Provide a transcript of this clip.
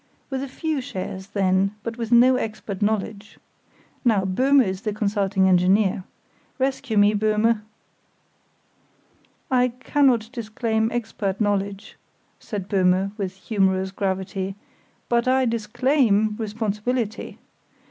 With a few shares, then; but with no expert knowledge. Now, Böhme is the consulting engineer. Rescue me, Böhme." "I cannot disclaim expert knowledge," said Böhme, with humorous gravity; "but I disclaim responsibility.